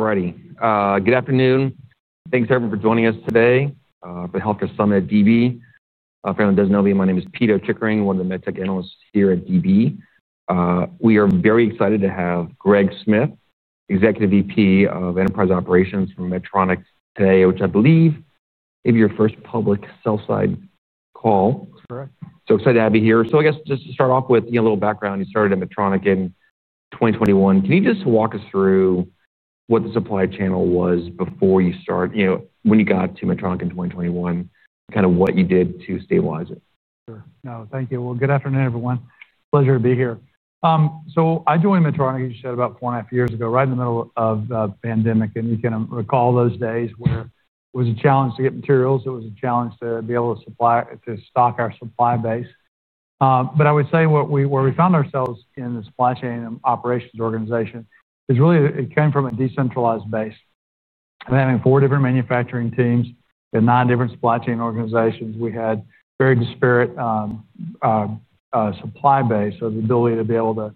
Alrighty, good afternoon. Thanks everyone for joining us today for the Healthcare Summit at DB. For anyone who doesn't know me, my name is Peter Chickering, one of the MedTech analysts here at DB. We are very excited to have Greg Smith, Executive Vice President of Enterprise Operations for Medtronic today, which I believe may be your first public sell-side call. Correct. Excited to have you here. I guess just to start off with, a little background. You started at Medtronic in 2021. Can you just walk us through what the supply channel was before you started, when you got to Medtronic in 2021, kind of what you did to stabilize it? Sure. No, thank you. Good afternoon, everyone. Pleasure to be here. I joined Medtronic, as you said, about four and a half years ago, right in the middle of the pandemic. You can recall those days where it was a challenge to get materials. It was a challenge to be able to supply, to stock our supply base. I would say where we found ourselves in the supply chain and operations organization is really, it came from a decentralized base. Having four different manufacturing teams in nine different supply chain organizations, we had a very disparate supply base, so the ability to be able to,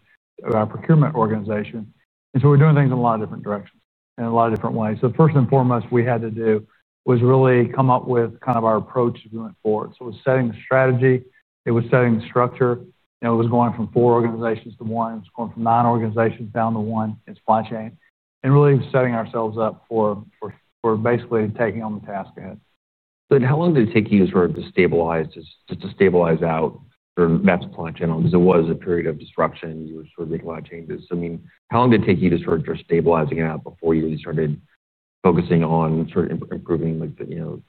our procurement organization. We were doing things in a lot of different directions and a lot of different ways. First and foremost, we had to do was really come up with kind of our approach as we went forward. It was setting the strategy. It was setting the structure. It was going from four organizations to one. It was going from nine organizations down to one in supply chain and really setting ourselves up for basically taking on the task ahead. How long did it take you to sort of just stabilize, just to stabilize out your supply channel? It was a period of disruption. You were sort of making a lot of changes. How long did it take you to sort of start stabilizing it out before you started focusing on sort of improving like the, you know,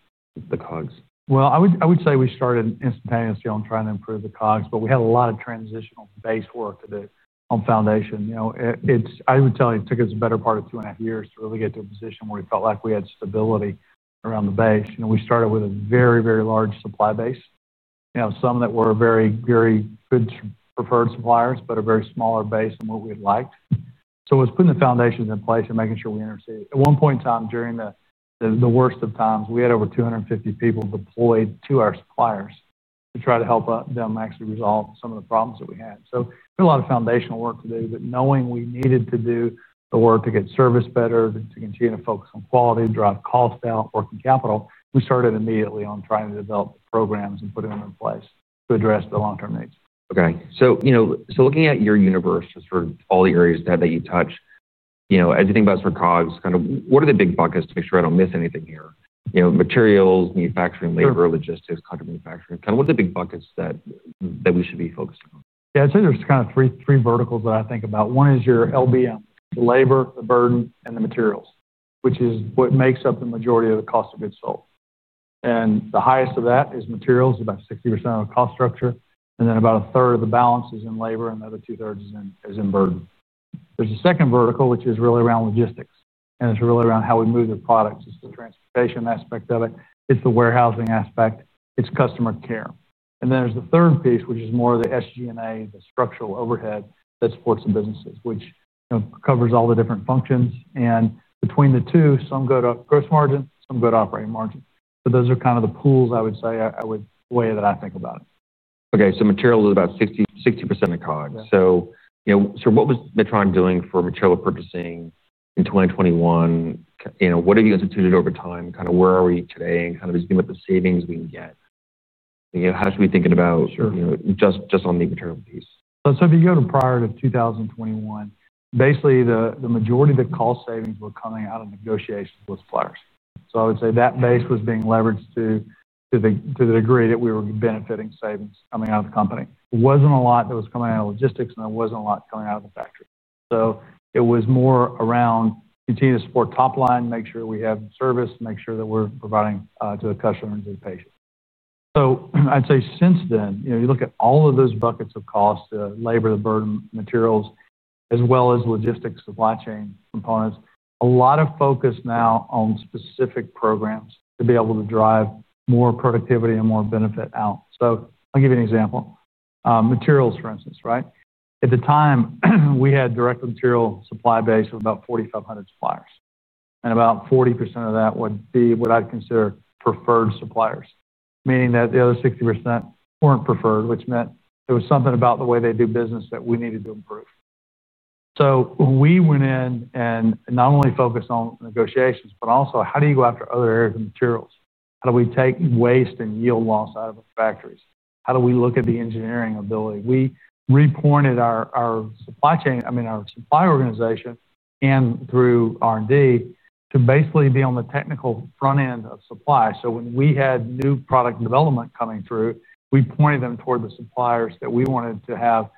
the COGS? I would say we started instantaneously on trying to improve the COGS, but we had a lot of transitional base work to do on foundation. I would tell you, it took us a better part of two and a half years to really get to a position where we felt like we had stability around the base. We started with a very, very large supply base. Some of that were very, very good preferred suppliers, but a very smaller base than what we had liked. It was putting the foundations in place and making sure we understood. At one point in time, during the worst of times, we had over 250 people deployed to our suppliers to try to help them actually resolve some of the problems that we had. There is a lot of foundational work to do, but knowing we needed to do the work to get service better, to continue to focus on quality, drive cost out, working capital, we started immediately on trying to develop the programs and put them in place to address the long-term needs. Okay. Looking at your universe of all the areas that you touch, as you think about COGS, what are the big buckets to make sure I don't miss anything here? Materials, manufacturing, labor, logistics, contract manufacturing, what are the big buckets that we should be focusing on? Yeah, I'd say there's kind of three verticals that I think about. One is your LBM, the labor, the burden, and the materials, which is what makes up the majority of the cost of goods sold. The highest of that is materials, about 60% of the cost structure. About a third of the balance is in labor and the other two thirds is in burden. There's a second vertical, which is really around logistics. It's really around how we move the products. It's the transportation aspect of it. It's the warehousing aspect. It's customer care. There's the third piece, which is more of the SG&A, the structural overhead that supports the businesses, which covers all the different functions. Between the two, some go to gross margin, some go to operating margin. Those are kind of the pools, I would say, the way that I think about it. Okay, so materials is about 60% of the COGS. What was Medtronic doing for material purchasing in 2021? What have you instituted over time? Where are we today? Thinking about the savings we can get, how should we be thinking about, just on the material piece? If you go to prior to 2021, basically the majority of the cost savings were coming out of negotiations with suppliers. I would say that base was being leveraged to the degree that we were benefiting savings coming out of the company. It wasn't a lot that was coming out of logistics and it wasn't a lot coming out of the factory. It was more around continuing to support top line, make sure we have service, make sure that we're providing to the customer and to the patient. I'd say since then, you look at all of those buckets of cost, the labor, the burden, materials, as well as logistics, supply chain components, a lot of focus now on specific programs to be able to drive more productivity and more benefit out. I'll give you an example. Materials, for instance, right? At the time, we had a direct material supply base of about 4,500 suppliers. About 40% of that would be what I'd consider preferred suppliers, meaning that the other 60% weren't preferred, which meant there was something about the way they do business that we needed to improve. We went in and not only focused on negotiations, but also how do you go after other areas of materials? How do we take waste and yield loss out of our factories? How do we look at the engineering ability? We repointed our supply chain, I mean, our supply organization and through R&D to basically be on the technical front end of supply. When we had new product development coming through, we pointed them toward the suppliers that we wanted to have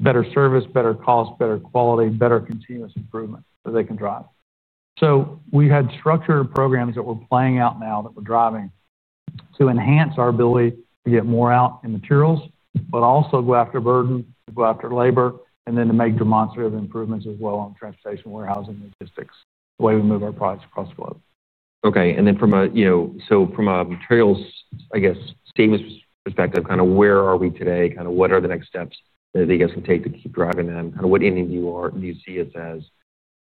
better service, better cost, better quality, better continuous improvement that they can drive. We had structured programs that were playing out now that were driving to enhance our ability to get more out in materials, but also go after burden, to go after labor, and then to make demonstrative improvements as well on transportation, warehousing, logistics, the way we move our products across the globe. Okay, from a materials, I guess, statement perspective, where are we today? What are the next steps that you guys can take to keep driving that? What entity do you see as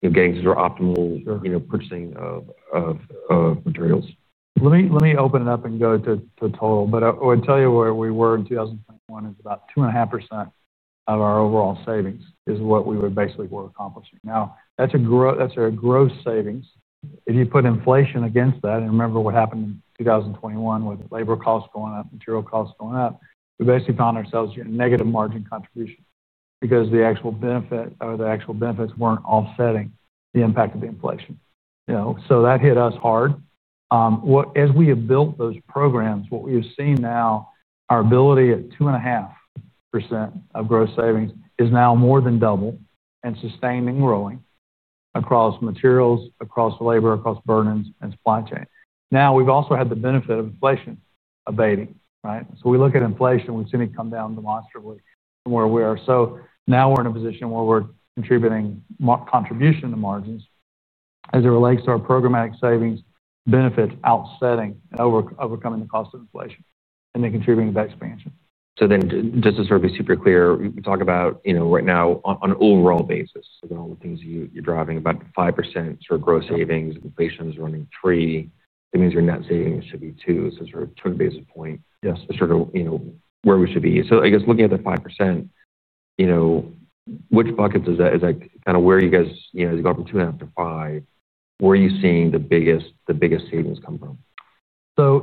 getting to your optimal purchasing of materials? Let me open it up and go to total. I would tell you where we were in 2021 is about 2.5% of our overall savings is what we would basically be accomplishing. Now, that's a gross savings. If you put inflation against that, and remember what happened in 2021 with labor costs going up, material costs going up, we basically found ourselves in a negative margin contribution because the actual benefit or the actual benefits weren't offsetting the impact of the inflation. That hit us hard. As we have built those programs, what we've seen now, our ability at 2.5% of gross savings is now more than double and sustained and growing across materials, across labor, across burden, and supply chain. We've also had the benefit of inflation abating, right? We look at inflation, we've seen it come down demonstrably from where we are. Now we're in a position where we're contributing contribution to margins as it relates to our programmatic savings benefits outsetting and overcoming the cost of inflation and then contributing to expansion. Just to sort of be super clear, you talk about, you know, right now on an overall basis, you know, the things you're driving, about 5% for gross savings, inflation is running 3%, that means your net savings should be 2%. Sort of total basis point. Yes. Looking at the 5%, which buckets is that? Is that kind of where you guys, as you go up from 2.5% to 5%, where are you seeing the biggest savings come from?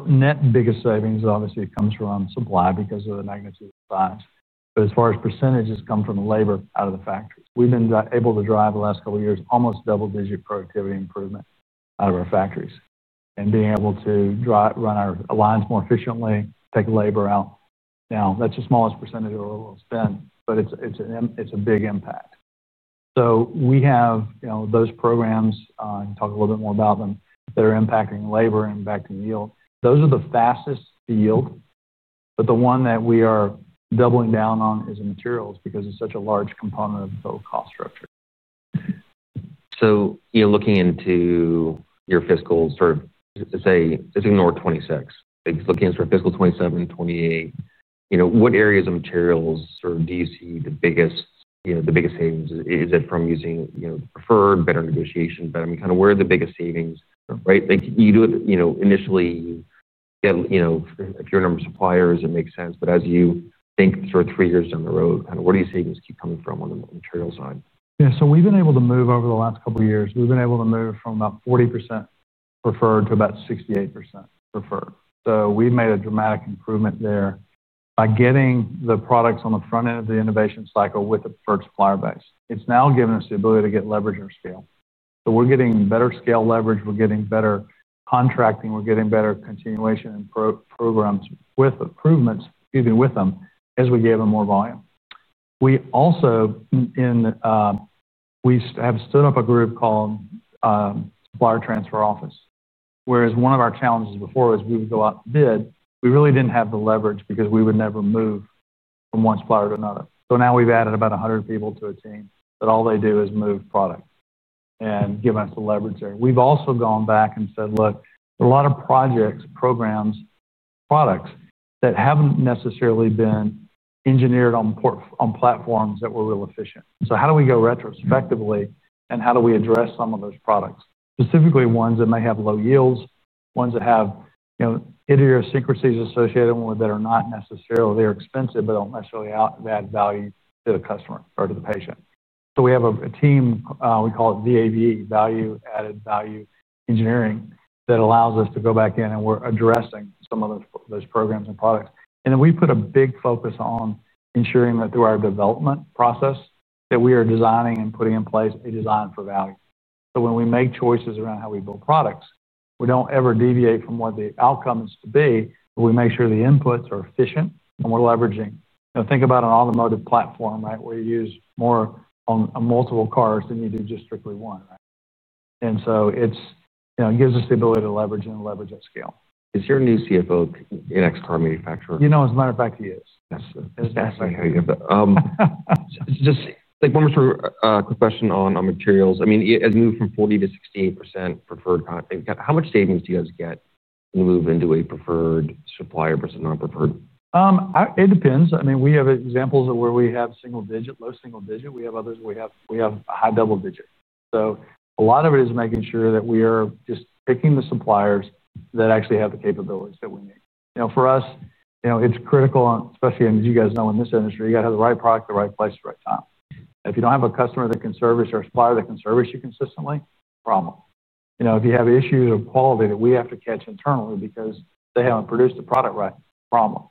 Net and biggest savings, obviously, it comes from supply because of the magnitude of the size. As far as % come from the labor out of the factory, we've been able to drive the last couple of years almost double-digit productivity improvement out of our factories and being able to run our lines more efficiently, take labor out. That's the smallest % of spend, but it's a big impact. We have those programs, and talk a little bit more about them, that are impacting labor and impacting yield. Those are the fastest yield. The one that we are doubling down on is in materials because it's such a large component of the whole cost structure. You're looking into your fiscal sort of, let's say, let's ignore 2026. Looking at sort of fiscal 2027, 2028, what areas of materials sort of do you see the biggest, you know, the biggest savings? Is it from using, you know, preferred, better negotiation? I mean, kind of where are the biggest savings, right? Like you do it, you know, initially, you got, you know, if you're a number of suppliers, it makes sense. As you think sort of three years down the road, kind of where do you see these keep coming from on the material side? Yeah, so we've been able to move over the last couple of years, we've been able to move from about 40% preferred to about 68% preferred. We've made a dramatic improvement there by getting the products on the front end of the innovation cycle with a preferred supplier base. It's now given us the ability to get leverage in scale. We're getting better scale leverage, we're getting better contracting, we're getting better continuation and programs with improvements with them as we gave them more volume. We have stood up a group called Supplier Transfer Office, whereas one of our challenges before was we would go out and bid, we really didn't have the leverage because we would never move from one supplier to another. Now we've added about 100 people to a team that all they do is move product and give us the leverage there. We've also gone back and said, look, there are a lot of projects, programs, products that haven't necessarily been engineered on platforms that were real efficient. How do we go retrospectively and how do we address some of those products, specifically ones that may have low yields, ones that have idiosyncrasies associated with them that are not necessarily, they're expensive, but don't necessarily add value to the customer or to the patient. We have a team, we call it VAV, Value Added Value Engineering, that allows us to go back in and we're addressing some of those programs and products. We put a big focus on ensuring that through our development process that we are designing and putting in place a design for value. When we make choices around how we build products, we don't ever deviate from what the outcome is to be, but we make sure the inputs are efficient and we're leveraging. Think about an automotive platform, right? We use more on multiple cars than you do just strictly one, right? It gives us the ability to leverage and leverage at scale. Is your new CFO an ex-car manufacturer? You know, as a matter of fact, he is. That's excellent. I like how you have that. Just one more sort of quick question on materials. As you move from 40% to 60% preferred, how much savings do you guys get when you move into a preferred supplier versus non-preferred? It depends. We have examples of where we have single digit, most single digit. We have others where we have a high double digit. A lot of it is making sure that we are just picking the suppliers that actually have the capabilities that we need. For us, it's critical, especially as you guys know in this industry, you got to have the right product, the right place, the right time. If you don't have a customer that can service you or a supplier that can service you consistently, problem. If you have issues of quality that we have to catch internally because they haven't produced a product right, problem.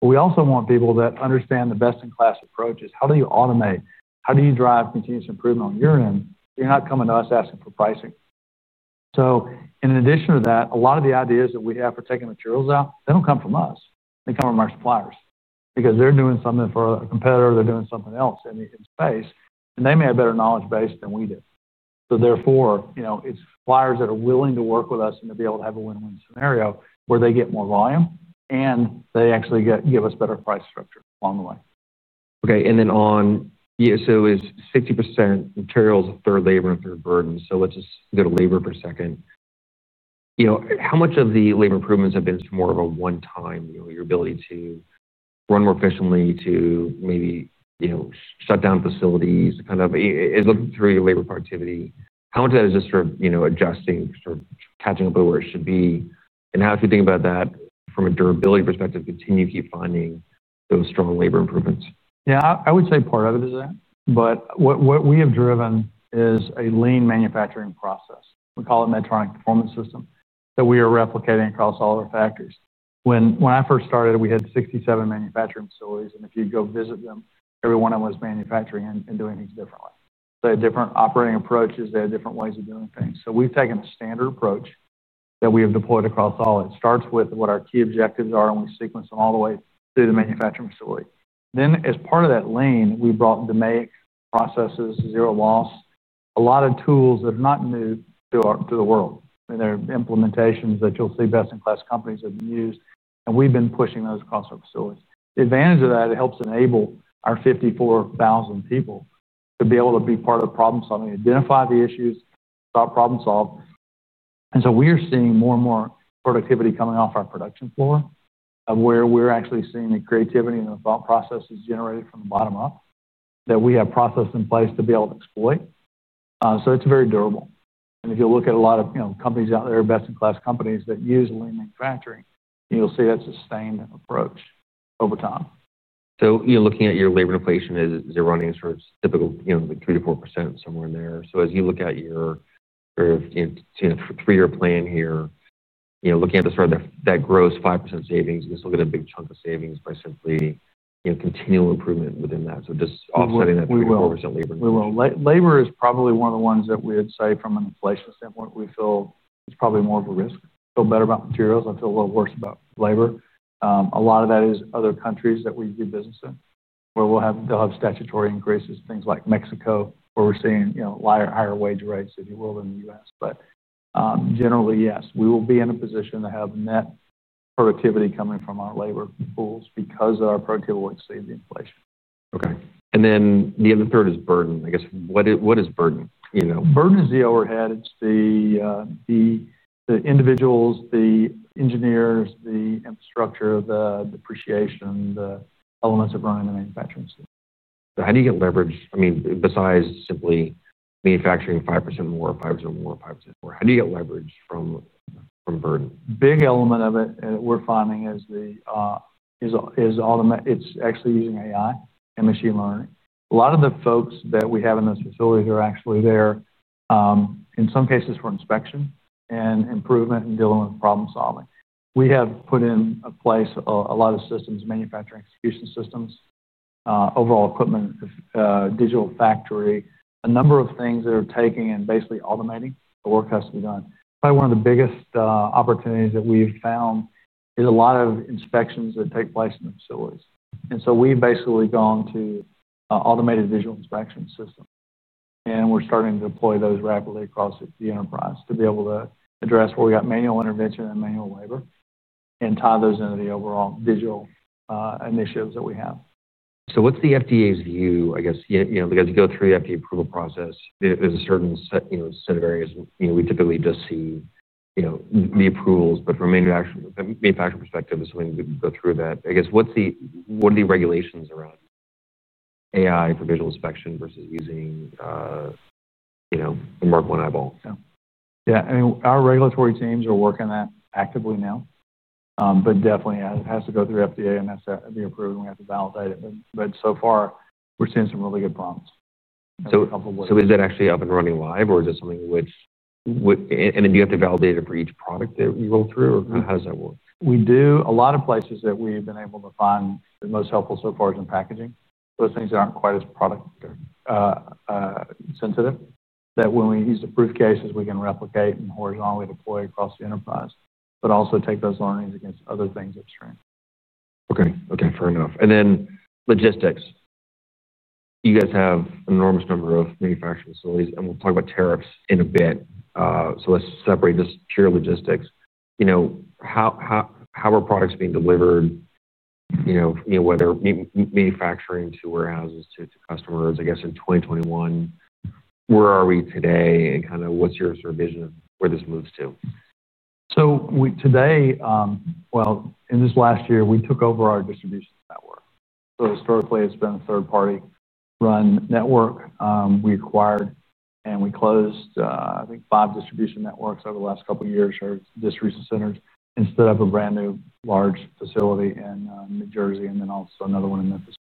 We also want people that understand the best-in-class approaches. How do you automate? How do you drive continuous improvement on your end? You're not coming to us asking for pricing. In addition to that, a lot of the ideas that we have for taking materials out, they don't come from us. They come from our suppliers because they're doing something for a competitor, they're doing something else in the space, and they may have a better knowledge base than we do. Therefore, it's suppliers that are willing to work with us and to be able to have a win-win scenario where they get more volume and they actually give us better price structure along the way. Okay, is 60% materials, a third labor, and a third burden? Let's just go to labor for a second. How much of the labor improvements have been just more of a one-time, your ability to run more efficiently, to maybe shut down facilities, kind of looking through your labor productivity? How much of that is just sort of adjusting, sort of catching up with where it should be? How do you think about that from a durability perspective, continuing to keep finding those strong labor improvements? I would say part of it is that, but what we have driven is a lean manufacturing process. We call it a Medtronic Performance System that we are replicating across all of our factories. When I first started, we had 67 manufacturing facilities, and if you go visit them, every one of them was manufacturing and doing things differently. They had different operating approaches, they had different ways of doing things. We have taken a standard approach that we have deployed across all. It starts with what our key objectives are, and we sequence them all the way through the manufacturing facility. As part of that lean, we brought DMAIC processes, zero loss, a lot of tools that are not new to the world. They are implementations that you'll see best-in-class companies have used, and we've been pushing those across our facility. The advantage of that is it helps enable our 54,000 people to be able to be part of problem solving, identify the issues, start problem solving. We are seeing more and more productivity coming off our production floor where we're actually seeing the creativity and the thought processes generated from the bottom up that we have processes in place to be able to exploit. It is very durable. If you look at a lot of companies out there, best-in-class companies that use lean manufacturing, you'll see that sustained approach over time. You're looking at your labor depletion as zeroing in, sort of typical, you know, like 3% to 4%, somewhere in there. As you look at your sort of, you know, three-year plan here, you know, looking at the sort of that gross 5% savings, you still get a big chunk of savings by simply, you know, continual improvement within that, just offsetting that 3% to 4% labor. Labor is probably one of the ones that we would say from an inflation standpoint, we feel it's probably more of a risk. I feel better about materials. I feel a little worse about labor. A lot of that is other countries that we do business in, where they'll have statutory increases, things like Mexico, where we're seeing higher wage rates, if you will, than the U.S. Generally, yes, we will be in a position to have net productivity coming from our labor pools because our productivity will exceed the inflation. Okay. The other third is burden. I guess what is burden? You know. Burden is the overhead. It's the individuals, the engineers, the infrastructure, the depreciation, the elements of running the manufacturing machine. How do you get leverage? I mean, besides simply manufacturing 5% more, 5% more, 5% more, how do you get leverage from burden? big element of it we're finding is automatic. It's actually using AI and machine learning. A lot of the folks that we have in those facilities are actually there, in some cases for inspection and improvement and dealing with problem solving. We have put in place a lot of systems, manufacturing execution systems, overall equipment, digital factory, a number of things that are taking and basically automating the work that has to be done. Probably one of the biggest opportunities that we've found is a lot of inspections that take place in the facilities. We've basically gone to automated digital inspection systems. We're starting to deploy those rapidly across the enterprise to be able to address where we got manual intervention and manual labor and tie those into the overall digital initiatives that we have. What's the FDA's view, I guess, because you go through the FDA approval process, there's a certain set of areas. We typically just see the approvals, but from a manufacturing perspective, there's something we can go through that. I guess, what are the regulations around AI for visual inspection versus using a marker and eyeball? Yeah, I mean, our regulatory teams are working that actively now. It definitely has to go through FDA and that's the approval. We have to validate it. So far, we're seeing some really good promise. Is that actually up and running live, or is it something which, and then do you have to validate it for each product that you go through, or how does that work? We do. A lot of places that we've been able to find the most helpful so far is in packaging. Those things that aren't quite as product sensitive, when we use the briefcases, we can replicate and horizontally deploy across the enterprise, but also take those learnings against other things upstream. Okay, fair enough. Logistics, you guys have an enormous number of manufacturing facilities and we'll talk about tariffs in a bit. Let's separate just pure logistics. How are products being delivered, whether manufacturing to warehouses to customers? I guess in 2021, where are we today and kind of what's your sort of vision of where this moves to? Today, in this last year, we took over our distribution network. Historically, it's been a third-party run network. We acquired and we closed, I think, five distribution centers over the last couple of years, instead of a brand new large facility in New Jersey and then also another one in Memphis.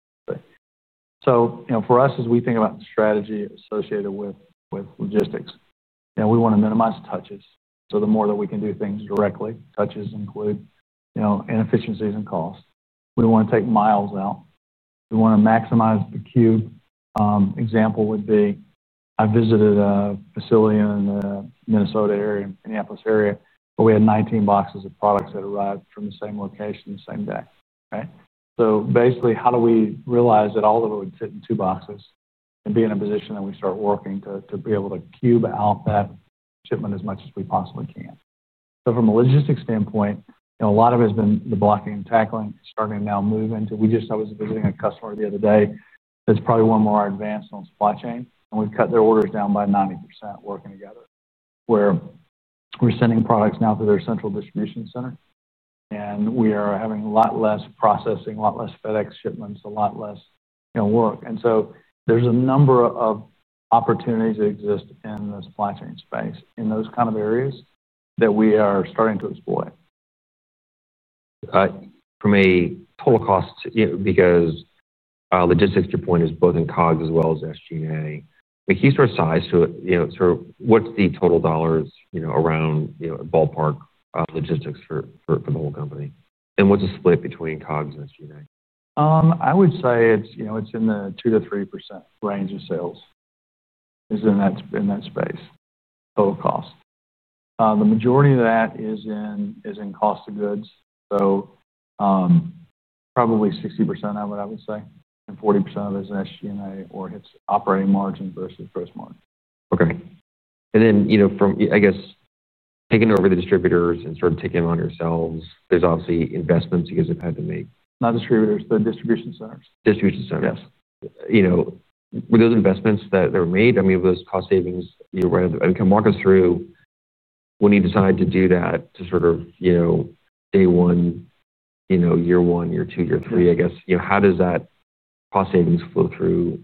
For us, as we think about the strategy associated with logistics, we want to minimize touches. The more that we can do things directly, touches include inefficiencies and cost. We don't want to take miles out. We want to maximize the cube. An example would be I visited a facility in the Minnesota area, Minneapolis area, where we had 19 boxes of products that arrived from the same location, the same day. Basically, how do we realize that all of it would fit in two boxes and be in a position that we start working to be able to cube out that shipment as much as we possibly can? From a logistics standpoint, a lot of it has been the blocking and tackling, starting to now move into... I was visiting a customer the other day that's probably one of our advanced on supply chain, and we've cut their orders down by 90% working together, where we're sending products now to their central distribution center, and we are having a lot less processing, a lot less FedEx shipments, a lot less work. There are a number of opportunities that exist in the supply chain space in those kinds of areas that we are starting to exploit. For me, total costs, because logistics to your point is both in COGS as well as SG&A. The key sort of size, so what's the total dollars around a ballpark logistics for the whole company? What's the split between COGS and SG&A? I would say it's, you know, it's in the 2% to 3% range of sales is in that space, total cost. The majority of that is in cost of goods. Probably 60% of it, I would say, and 40% of it is SG&A or it's operating margin versus gross margin. Okay. From, I guess, taking over the distributors and sort of taking them on yourselves, there's obviously investments you guys have had to make. Not distributors, but distribution centers. Distribution centers. Yes. Were those investments that were made? Were those cost savings, because walk us through when you decide to do that to sort of day one, year one, year two, year three. I guess, how does that cost savings flow through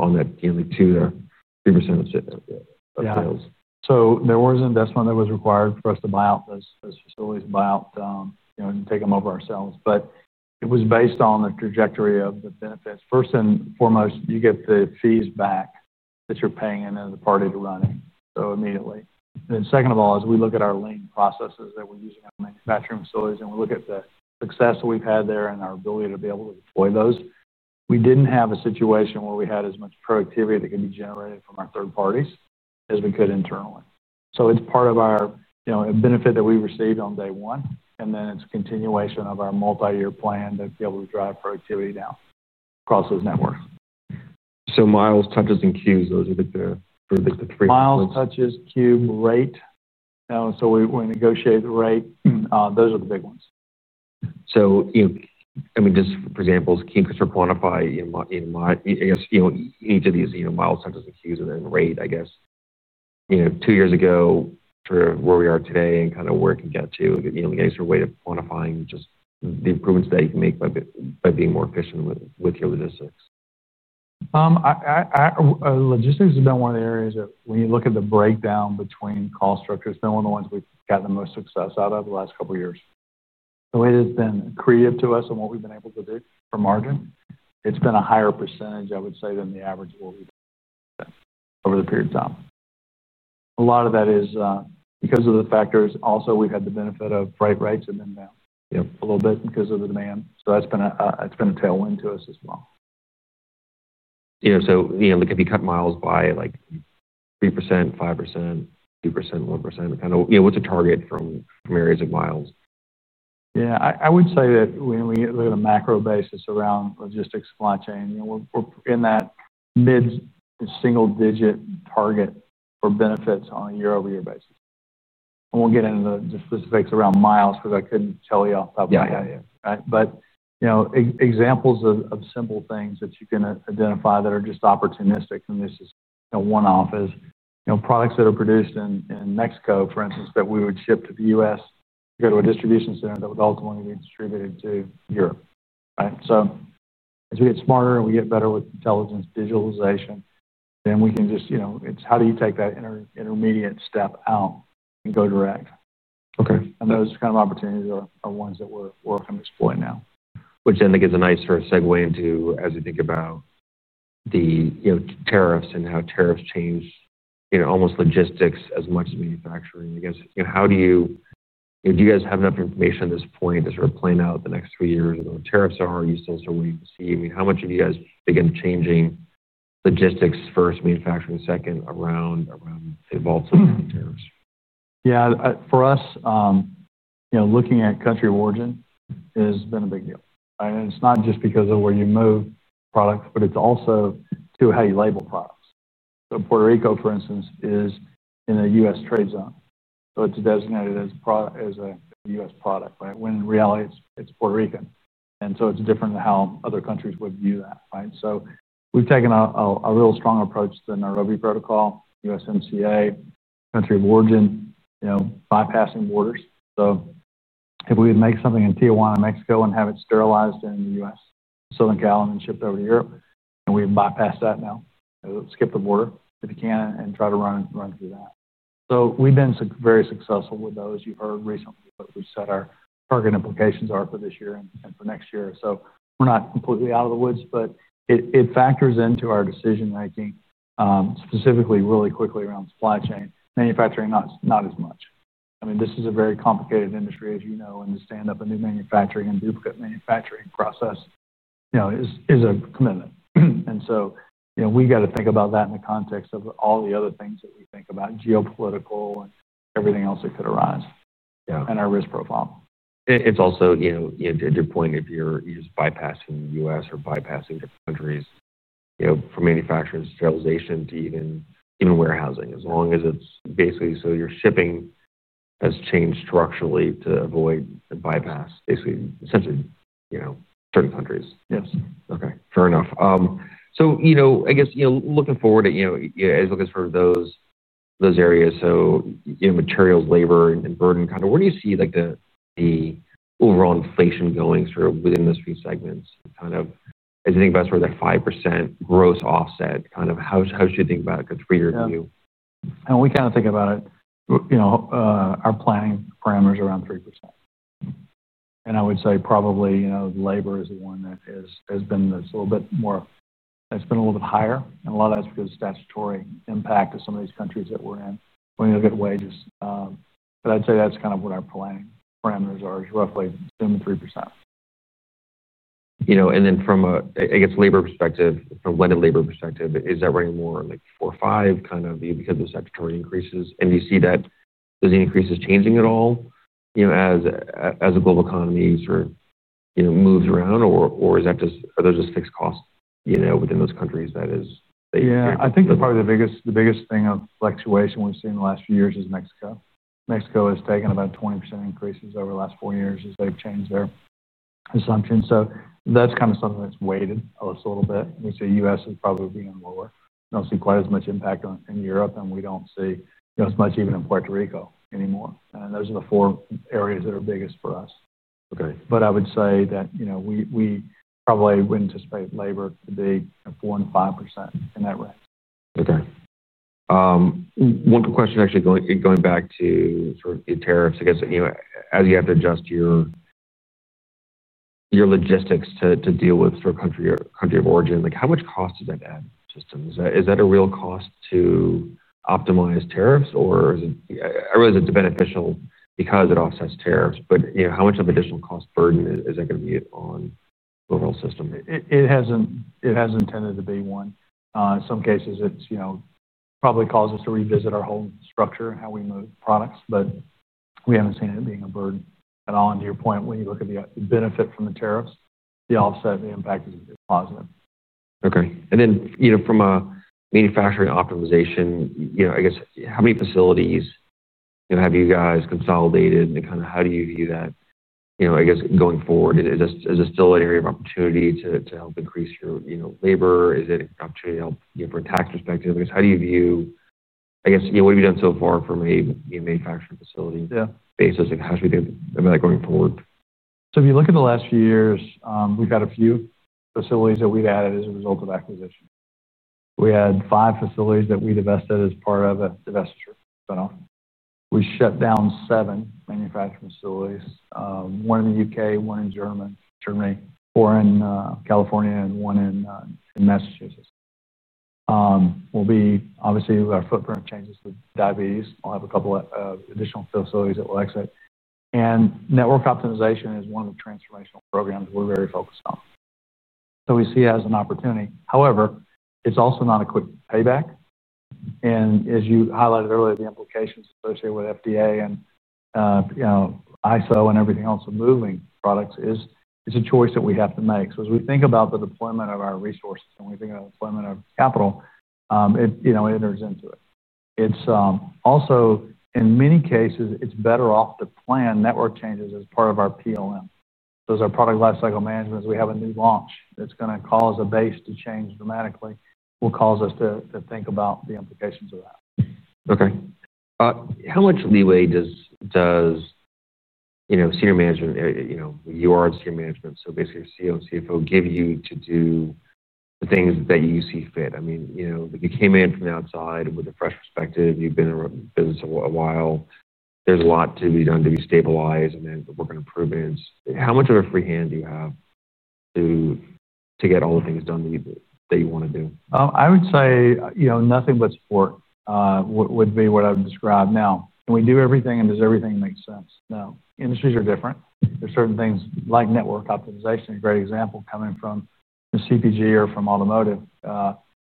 on that, like 2% to 3% of sales? There was an investment that was required for us to buy out those facilities, buy out, you know, and take them over ourselves. It was based on the trajectory of the benefits. First and foremost, you get the fees back that you're paying and the party to run it, so immediately. Second of all, as we look at our lean processes that we're using at manufacturing facilities and we look at the success that we've had there and our ability to be able to deploy those, we didn't have a situation where we had as much productivity that could be generated from our third parties as we could internally. It's part of our, you know, a benefit that we received on day one, and then it's a continuation of our multi-year plan to be able to drive productivity down across those networks. Miles, touches, and cubes, those are the big three. Miles, touches, cube, rate now. We negotiate the rate. Those are the big ones. Can you just quantify each of these miles, touches, and cubes, and then rate two years ago for where we are today and kind of where it can get to, your way to quantifying just the improvements that you can make by being more efficient with your logistics. Logistics has been one of the areas that, when you look at the breakdown between cost structure, it's been one of the ones we've gotten the most success out of the last couple of years. The way that it's been creative to us and what we've been able to do for margin, it's been a higher % I would say than the average of what we've done over the period of time. A lot of that is because of the factors. Also, we've had the benefit of freight rates, and now a little bit because of the demand. That's been a tailwind to us as well. Yeah, if you cut miles by 3%, 5%, 2%, 1%, what's a target from areas of miles? Yeah, I would say that when we look at a macro basis around logistics supply chain, we're in that mid single-digit target for benefits on a year-over-year basis. I won't get into the specifics around miles because I couldn't tell you off the top of my head yet. Right. Examples of simple things that you can identify that are just opportunistic, and this is a one-off, is products that are produced in Mexico, for instance, that we would ship to the U.S. to go to a distribution center that would ultimately be distributed to Europe. As you get smarter, we get better with intelligence, digitalization, then we can just, you know, it's how do you take that intermediate step out and go direct. Okay. Those kind of opportunities are the ones that we're working to exploit now. Which then I think is a nice sort of segue into as we think about the tariffs and how tariffs change, you know, almost logistics as much as manufacturing, I guess. How do you, you know, do you guys have enough information at this point to sort of plan out the next three years of what tariffs are? Are you still sort of waiting to see? How much have you guys, again, changing logistics first, manufacturing second, around the evolves of the tariffs? Yeah, for us, looking at country of origin has been a big deal. It's not just because of where you move products, but it's also how you label products. Puerto Rico, for instance, is in the U.S. trade zone, so it's designated as a U.S. product, right? When in reality, it's Puerto Rican, and it's different than how other countries would view that, right? We've taken a real strong approach to the Nairobi Protocol, USMCA, country of origin, bypassing borders. If we could make something in Tijuana, Mexico, and have it sterilized in the U.S., the Southern California, shipped over to Europe, we can bypass that now, skip the border if you can, and try to run through that. We've been very successful with those, you heard recently, but we set our target implications are for this year and for next year. We're not completely out of the woods, but it factors into our decision-making, specifically really quickly around supply chain, manufacturing, not as much. This is a very complicated industry, as you know, and to stand up a new manufacturing and duplicate manufacturing process is a commitment. We got to think about that in the context of all the other things that we think about, geopolitical and everything else that could arise. Yeah. Our risk profile. It's also, to your point, if you're just bypassing the U.S. or bypassing different countries, from manufacturing to sterilization to even warehousing, as long as it's basically, your shipping has changed structurally to avoid bypass, essentially, certain countries. Yes. Okay, fair enough. You know, looking forward to those areas, materials, labor, and burden, where do you see the overall inflation going through within those few segments? As you think about that 5% gross offset, how should you think about it, a three-year view? We kind of think about it, you know, our planning parameters around 3%. I would say probably, you know, the labor is the one that has been a little bit more, it's been a little bit higher, and a lot of that's because of the statutory impact of some of these countries that we're in when you look at wages. I'd say that's kind of what our planning parameters are, is roughly in the 3%. You know, from a blended labor perspective, is that running more like 4% or 5% because of the statutory increases? Do you see that those increases changing at all as the global economy sort of moves around, or are those just fixed costs within those countries? I think that probably the biggest, the biggest thing of fluctuation we've seen in the last few years is Mexico. Mexico has taken about 20% increases over the last four years as they've changed their assumption. That's kind of something that's weighted a little bit. You see the U.S. is probably being lower. You don't see quite as much impact in Europe, and we don't see as much even in Puerto Rico anymore. Those are the four areas that are biggest for us. Okay. I would say that, you know, we probably wouldn't anticipate labor to be 4% to 5% in that risk. Okay. One quick question, actually, going back to sort of your tariffs, I guess, you know, as you have to adjust your logistics to deal with sort of country of origin, like how much cost does that add? Is that a real cost to optimize tariffs, or is it beneficial because it offsets tariffs? You know, how much of an additional cost burden is that going to be on the overall system? It hasn't tended to be one. In some cases, it probably causes us to revisit our whole structure, how we move products, but we haven't seen it being a burden at all. To your point, when you look at the benefit from the tariffs, the offset, the impact is positive. Okay. From a manufacturing optimization, how many facilities have you guys consolidated, and how do you view that? Going forward, is this still an area of opportunity to help increase your labor? Is it an opportunity to help get from a tax perspective? How do you view what have you done so far from a manufacturing facility? Yeah. Basis? How should we think about that going forward? If you look at the last few years, we've had a few facilities that we've added as a result of acquisition. We had five facilities that we invested as part of a divestiture spin-off. We shut down seven manufacturing facilities, one in the UK, one in Germany, four in California, and one in Massachusetts. Obviously, our footprint changes with diabetes. We'll have a couple of additional facilities that we'll exit. Network optimization is one of the transformational programs we're very focused on. We see it as an opportunity. However, it's also not a quick payback. As you highlighted earlier, the implications associated with FDA and, you know, ISO and everything else of moving products is a choice that we have to make. As we think about the deployment of our resources and we think about the deployment of capital, it enters into it. In many cases, it's better off to plan network changes as part of our PLM. Those are product lifecycle management. We have a new launch that's going to cause a base to change dramatically, will cause us to think about the implications of that. Okay. How much leeway does senior management, you are the senior management, so basically your CEO and CFO give you to do the things that you see fit? I mean, you came in from the outside and with a fresh perspective, you've been in the business a while. There's a lot to be done to be stabilized and then work on improvements. How much of a free hand do you have to get all the things done that you want to do? I would say nothing but support would be what I would describe. Now, can we do everything and does everything make sense? No. Industries are different. There are certain things like network optimization, a great example coming from the CPG or from automotive.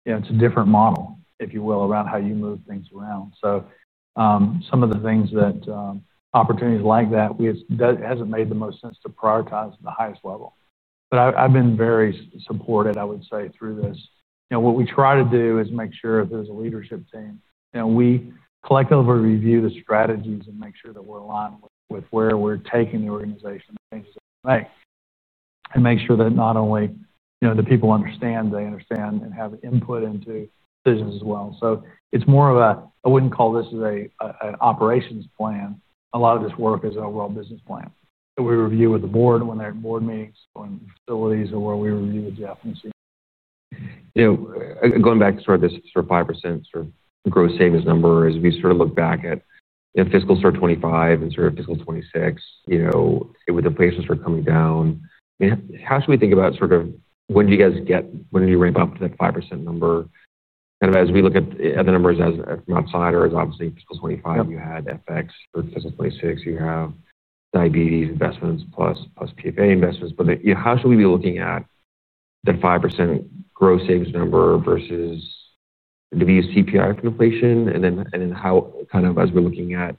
It's a different model, if you will, around how you move things around. Some of the things that, opportunities like that, it hasn't made the most sense to prioritize at the highest level. I have been very supported, I would say, through this. What we try to do is make sure that there's a leadership team. We collectively review the strategies and make sure that we align with where we're taking the organization and making sure that not only the people understand, they understand and have input into decisions as well. It's more of a, I wouldn't call this an operations plan. A lot of this work is an overall business plan that we review with the board when they have board meetings on facilities or where we review the definition. You know, going back to this 5% gross savings number, as we look back at fiscal 2025 and fiscal 2026, with inflation coming down, how should we think about when do you guys get, when do you ramp up to that 5% number? As we look at the numbers from outside, obviously fiscal 2025, you had FX, fiscal 2026, you have diabetes investments plus PFA investments. How should we be looking at that 5% gross savings number versus the VCPI of inflation? As we're looking at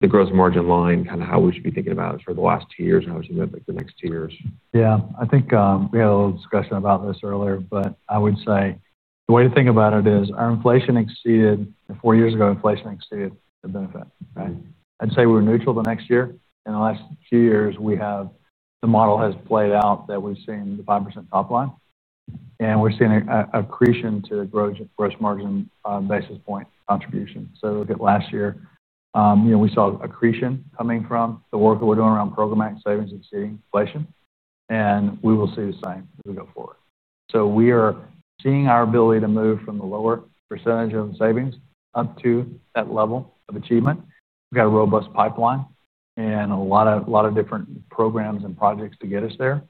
the gross margin line, how should we be thinking about it for the last two years and the next two years? Yeah, I think we had a little discussion about this earlier, but I would say the way to think about it is our inflation exceeded four years ago, inflation exceeded the benefit. Right. I'd say we were neutral the next year. In the last few years, we have, the model has played out that we've seen the 5% top line, and we're seeing an accretion to the gross margin basis point contribution. Look at last year, you know, we saw an accretion coming from the work that we're doing around programmatic savings exceeding inflation, and we will see the same as we go forward. We are seeing our ability to move from the lower percentage of savings up to that level of achievement. We've got a robust pipeline and a lot of different programs and projects to get us there.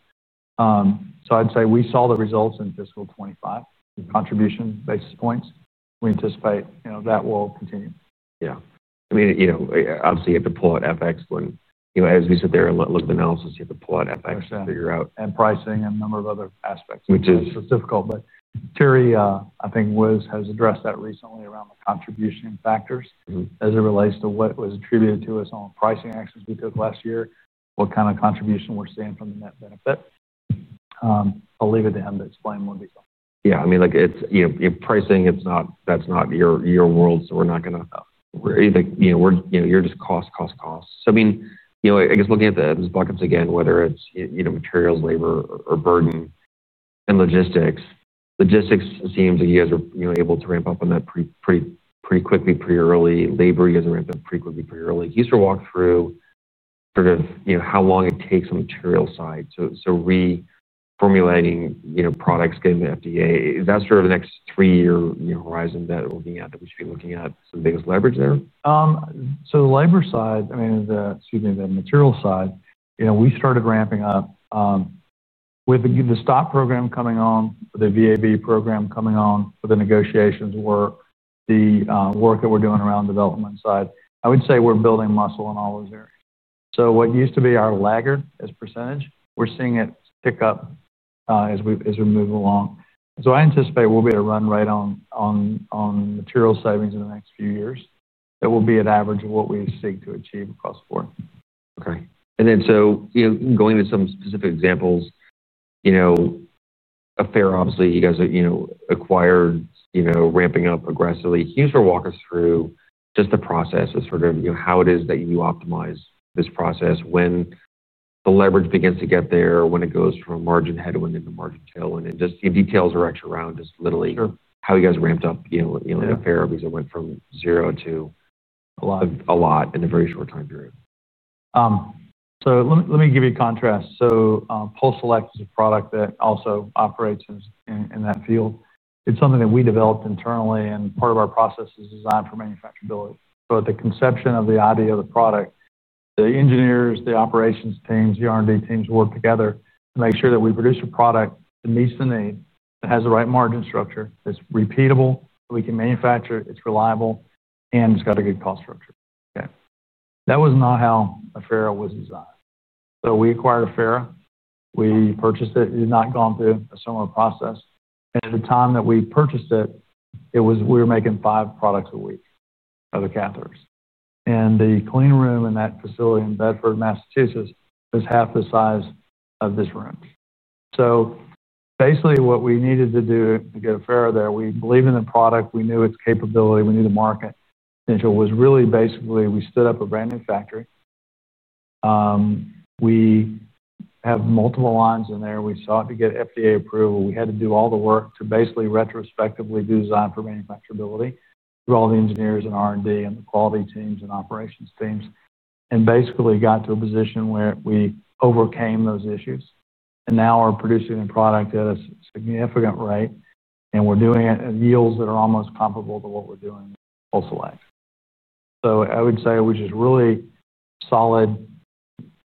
I'd say we saw the results in fiscal 2025, the contribution basis points. We anticipate, you know, that will continue. Yeah, I mean, obviously you have to pull out FX when, you know, as we sit there and look at the analysis, you have to pull out FX to figure out. Pricing and a number of other aspects, which is difficult. Terry, I think Wiz has addressed that recently around the contribution factors as it relates to what was attributed to us on pricing actions we took last year, what kind of contribution we're seeing from the net benefit. I'll leave it to him to explain when we go. Yeah, I mean, it's, you know, pricing, that's not your world, so we're not going to, you know, you're just cost, cost, cost. I mean, I guess looking at those buckets again, whether it's materials, labor, or burden and logistics, logistics seems like you guys are able to ramp up on that pretty quickly, pretty early. Labor, you guys ramped up pretty quickly, pretty early. Can you sort of walk through how long it takes on the material side? Reformulating products, getting the FDA, that's sort of the next three-year horizon that we're looking at, that we should be looking at some of the biggest leverage there? The material side, you know, we started ramping up with the stop program coming on, the VAV program coming on, with the negotiations work, the work that we're doing around the development side. I would say we're building muscle in all those areas. What used to be our laggard as a %, we're seeing it pick up as we move along. I anticipate we'll be at a run rate on material savings in the next few years. It will be at average of what we seek to achieve across the board. Okay. Going into some specific examples, Aferra, obviously, you guys acquired, ramping up aggressively. Can you sort of walk us through just the process of how it is that you optimize this process when the leverage begins to get there, when it goes from a margin headwind into a margin tailwind, and just the details actually around just literally how you guys ramped up in Aferra because it went from zero to a lot, a lot in a very short time period. Let me give you a contrast. PulseSelect™ is a product that also operates in that field. It's something that we developed internally, and part of our process is design for manufacturability. The conception of the idea of the product, the engineers, the operations teams, the R&D teams work together to make sure that we produce a product that meets the need, that has the right margin structure, that's repeatable, that we can manufacture, it's reliable, and it's got a good cost structure. That was not how Aferra was designed. We acquired Aferra. We purchased it. It had not gone through a similar process. At the time that we purchased it, we were making five products a week of the catheters. The clean room in that facility in Bedford, Massachusetts, was half the size of this room. Basically, what we needed to do to get Aferra there, we believed in the product, we knew its capability, we knew the market, and it was really basically we stood up a brand new factory. We have multiple lines in there. We sought to get FDA approval. We had to do all the work to basically retrospectively do design for manufacturability, through all the engineers and R&D and the quality teams and operations teams, and basically got to a position where we overcame those issues. Now we're producing a product at a significant rate, and we're doing it at yields that are almost comparable to what we're doing at PulseSelect™. I would say it was just really solid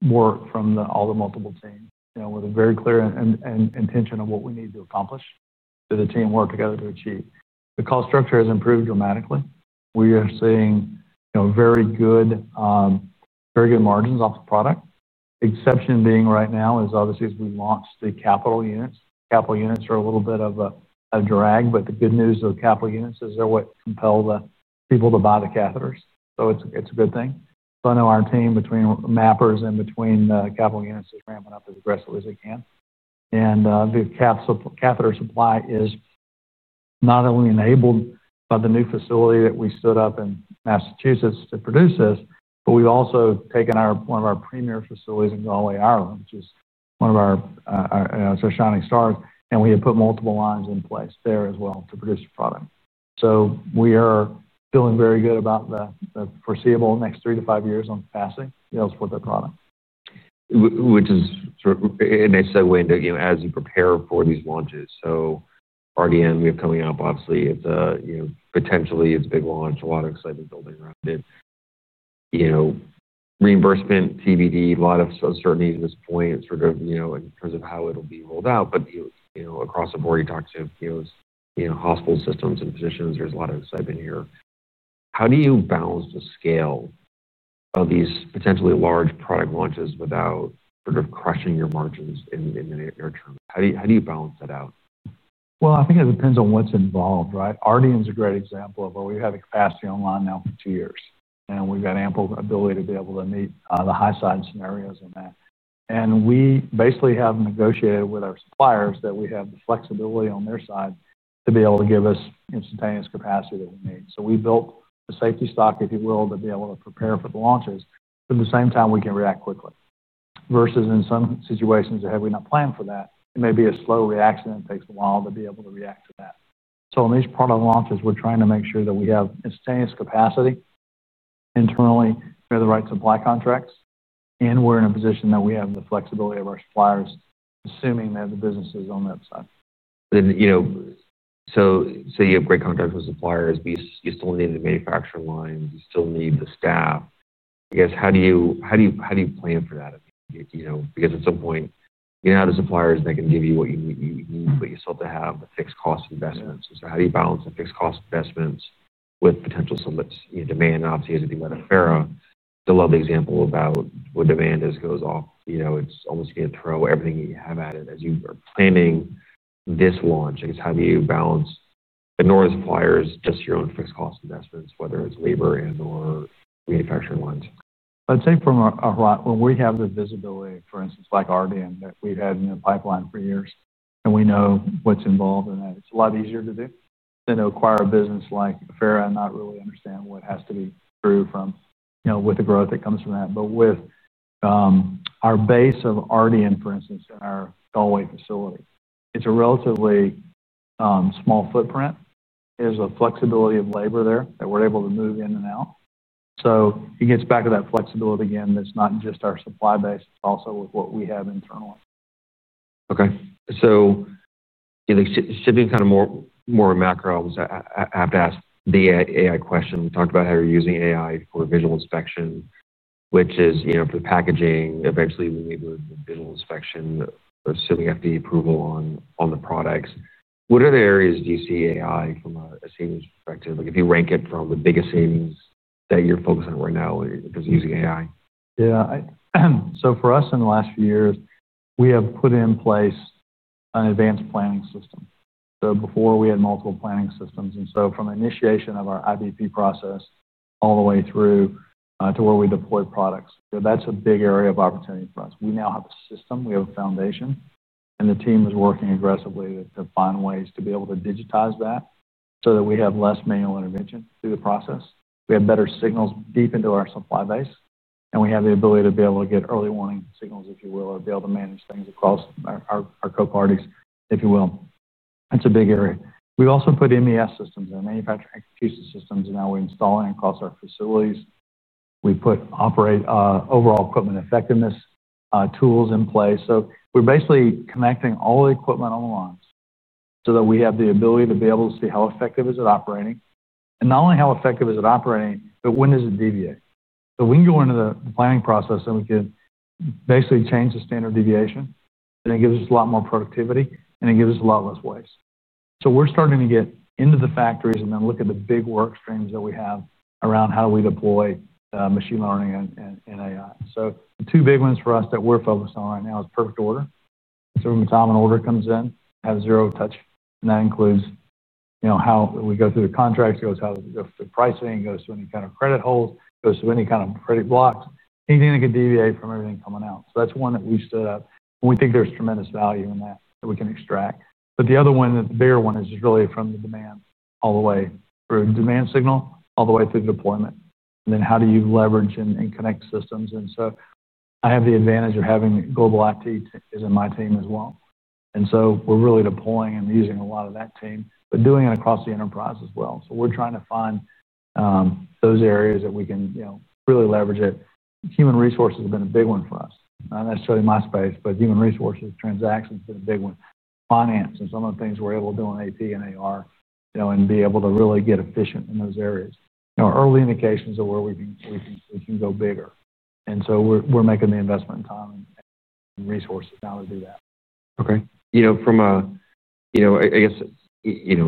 work from all the multiple teams, with a very clear intention of what we need to accomplish that the team worked together to achieve. The cost structure has improved dramatically. We are seeing very good, very good margins off the product. The exception being right now is obviously as we launched the capital units. Capital units are a little bit of a drag, but the good news of capital units is they're what compelled the people to buy the catheters. It's a good thing. I know our team between Mappers and between the capital units is ramping up as aggressively as they can. The catheter supply is not only enabled by the new facility that we stood up in Massachusetts to produce this, but we've also taken one of our premier facilities in Galway, Ireland, which is one of our shining stars. We have put multiple lines in place there as well to produce the product. We are feeling very good about the foreseeable next three to five years on passing deals with the product. Which is sort of, and it's a window, you know, as you prepare for these launches. RDM, you're coming up, obviously, it's a, you know, potentially it's a big launch, a lot of excitement building around it. You know, reimbursement, CBD, a lot of uncertainties at this point, it's sort of, you know, in terms of how it'll be rolled out. You know, across the board, you talk to hospital systems and physicians, there's a lot of excitement here. How do you balance the scale of these potentially large product launches without sort of crushing your margins in the near term? How do you balance that out? I think it depends on what's involved, right? RDM is a great example of where we've had a capacity online now for two years. We've got ample ability to be able to meet the high side scenarios in that. We've basically negotiated with our suppliers that we have the flexibility on their side to be able to give us instantaneous capacity that we need. We built a safety stock, if you will, to be able to prepare for the launches. At the same time, we can react quickly. Versus in some situations that have we not planned for that, it may be a slow reaction and it takes a while to be able to react to that. On these product launches, we're trying to make sure that we have instantaneous capacity. Internally, we have the right supply contracts. We're in a position that we have the flexibility of our suppliers, assuming that the business is on that side. You have great contracts with suppliers. You still need the manufacturing lines. You still need the staff. How do you plan for that? At some point, you have the suppliers that can give you what you need, but you still have to have fixed cost investments. How do you balance the fixed cost investments with potential demand? Obviously, as you think about Aferra, the example about when demand goes off, it's almost you can throw everything you have at it as you're planning this launch. How do you balance, ignoring suppliers, just your own fixed cost investments, whether it's labor and/or manufacturing lines? I'd say from a lot, when we have the visibility, for instance, like RDM, that we've had pipeline for years, and we know what's involved in that, it's a lot easier to do than to acquire a business like Aferra and not really understand what has to be through from, you know, with the growth that comes from that. With our base of RDM, for instance, in our Galway facilities, it's a relatively small footprint. There's a flexibility of labor there that we're able to move in and out. It gets back to that flexibility again. It's not just our supply base, it's also with what we have internally. Okay, shifting kind of more macro, I have to ask the AI question. We talked about how you're using AI for visual inspection, which is for the packaging. Eventually, you need the visual inspection, assuming FDA approval on the products. What other areas do you see AI from a savings perspective? If you rank it from the biggest savings that you're focusing on right now, is using AI? Yeah, for us in the last few years, we have put in place an advanced planning system. Before, we had multiple planning systems, and from the initiation of our IDP process all the way through to where we deploy products, that's a big area of opportunity for us. We now have a system, we have a foundation, and the team is working aggressively to find ways to be able to digitize that so that we have less manual intervention through the process. We have better signals deep into our supply base, and we have the ability to be able to get early warning signals, if you will, and be able to manage things across our co-parties, if you will. That's a big area. We've also put MES systems in, manufacturing execution systems, and now we're installing across our facilities. We put operate overall equipment effectiveness tools in place. We're basically connecting all the equipment on the lines so that we have the ability to be able to see how effective is it operating, and not only how effective is it operating, but when does it deviate. We can go into the planning process and we can basically change the standard deviation, and it gives us a lot more productivity, and it gives us a lot less waste. We're starting to get into the factories and then look at the big work streams that we have around how do we deploy machine learning and AI. The two big ones for us that we're focused on right now is perfect order. When the time and order comes in, have zero touch. That includes how we go through the contracts, it goes how the pricing, it goes to any kind of credit holds, it goes to any kind of credit blocks, anything that could deviate from everything coming out. That's one that we stood up. We think there's tremendous value in that that we can extract. The other one, the bigger one is just really from the demand all the way through the demand signal, all the way through the deployment. How do you leverage and connect systems? I have the advantage of having global IT in my team as well. We're really deploying and using a lot of that team, but doing it across the enterprise as well. We're trying to find those areas that we can really leverage it. Human resources have been a big one for us. Not necessarily my space, but human resources transactions have been a big one. Finance and some of the things we're able to do on AP and AR, and be able to really get efficient in those areas. Early indications of where we can go bigger. We're making the investment in time and resources now to do that. Okay. We're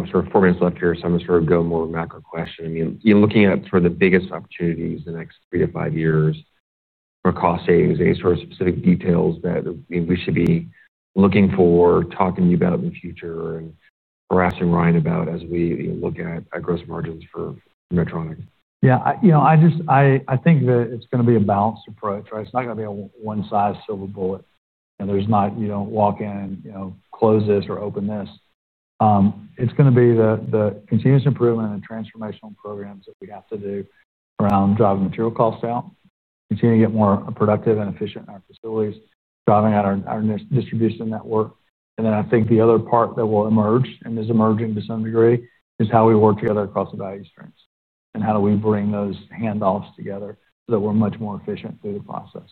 sort of four minutes left here, so I'm just going more of a macro question. I mean, you're looking at sort of the biggest opportunities in the next three to five years for cost savings, any sort of specific details that we should be looking for, talking to you about in the future, and perhaps in writing about as we look at gross margins for Medtronic? Yeah, I think that it's going to be a balanced approach, right? It's not going to be a one-size-silver bullet. There's not, you don't walk in, close this or open this. It's going to be the continuous improvement and the transformational programs that we have to do around driving material costs out, continuing to get more productive and efficient in our facilities, driving out our distribution network. I think the other part that will emerge and is emerging to some degree is how we work together across the value streams and how we bring those handoffs together so that we're much more efficient through the process.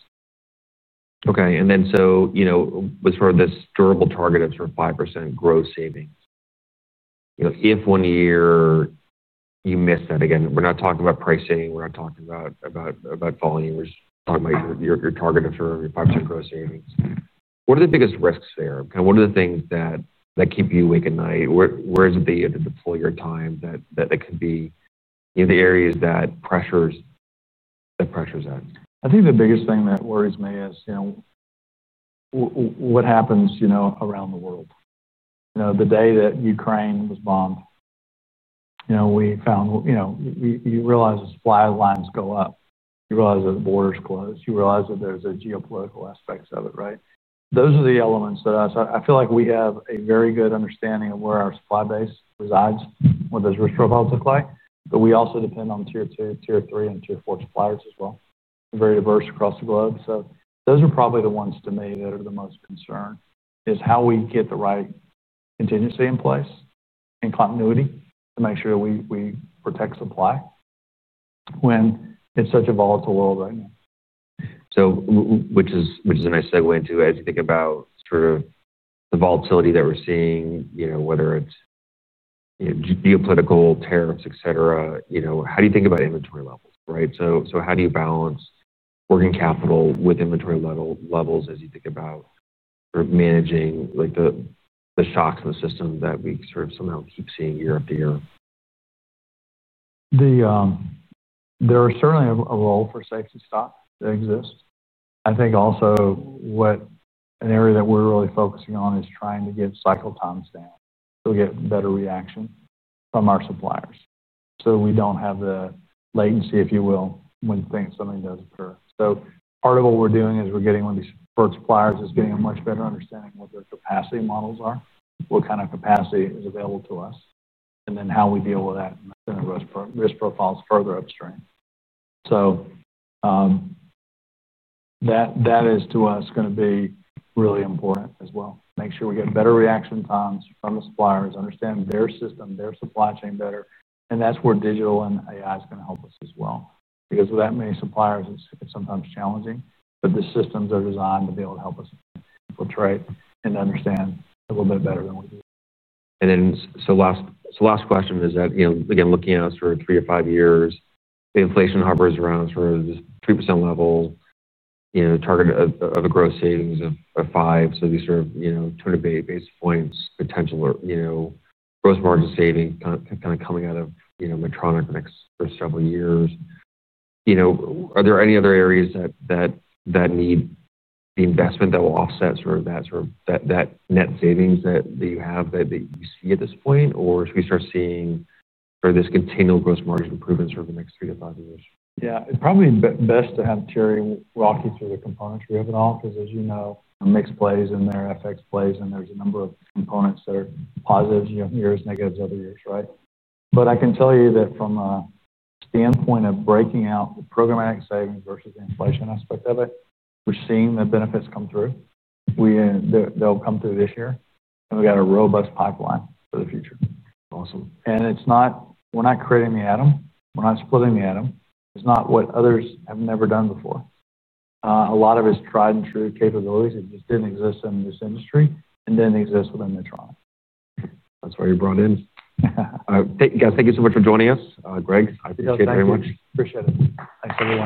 Okay. With sort of this durable target of 5% gross savings, if one year you miss that, again, we're not talking about pricing, we're not talking about volume, we're talking about your target of 5% gross savings. What are the biggest risks there? What are the things that keep you awake at night? Where is it that you have to deploy your time that could be the areas that pressures are at? I think the biggest thing that worries me is what happens around the world. The day that Ukraine was bombed, we found, you realize the supply lines go up. You realize that the borders close. You realize that there's a geopolitical aspect of it, right? Those are the elements that I feel like we have a very good understanding of where our supply base resides, what those risk profiles look like. We also depend on tier two and tier three and tier four suppliers as well, very diverse across the globe. Those are probably the ones to me that are the most concerned, how we get the right contingency in place and continuity to make sure that we protect supply when it's such a volatile world right now. Which is a nice segue to as you think about sort of the volatility that we're seeing, whether it's geopolitical tariffs, et cetera, how do you think about inventory levels, right? How do you balance working capital with inventory levels as you think about sort of managing like the shock of a system that we sort of somehow keep seeing year after year? There is certainly a role for safety stock that exists. I think also an area that we're really focusing on is trying to give cycle time span. We'll get better reaction from our suppliers, so we don't have the latency, if you will, when you think something does occur. Part of what we're doing with these suppliers is getting a much better understanding of what their capacity models are, what kind of capacity is available to us, and then how we deal with that and risk profiles further upstream. That is to us going to be really important as well. Make sure we get better reaction times from the suppliers, understand their system, their supply chain better. That's where digital and AI is going to help us as well. With that many suppliers, it's sometimes challenging, but the systems are designed to be able to help us infiltrate and understand a little bit better than we do. Last question is that, you know, again, looking at us for three or five years, the inflation hovers around sort of this 3% level, you know, the target of a gross savings of five. These sort of, you know, turn-to-base points, potential, you know, gross margin savings kind of coming out of, you know, Medtronic for the next several years. You know, are there any other areas that need the investment that will offset sort of that net savings that you have that you see at this point, or should we start seeing this continual gross margin improvements over the next three to five years? Yeah, it's probably best to have Terry walk you through the components we have in office, as you know. Mixed plays in there, FX plays in there. There's a number of components that are positives, you know, years, negatives, other years, right? I can tell you that from a standpoint of breaking out programmatic savings versus the inflation aspect of it, we're seeing the benefits come through. They'll come through this year, and we've got a robust pipeline for the future. Awesome. We're not creating the atom, we're not splitting the atom. It's not what others have never done before. A lot of it is tried and true capabilities that just didn't exist in this industry and didn't exist within Medtronic. That's why you're brought in. Thank you so much for joining us. Greg, I appreciate it very much. Thank you, guys. Appreciate it. Thanks so much.